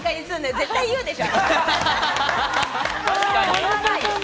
絶対言うでしょ！